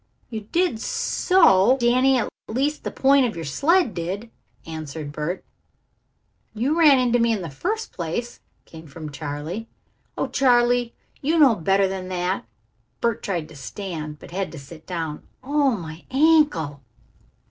"You did so, Danny at least, the point of your sled did," answered Bert. "You ran into me in the first place," came from Charley. "Oh, Charley, you know better than that." Bert tried to stand, but had to sit down. "Oh, my ankle!"